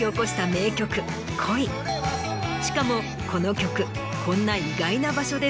しかもこの曲。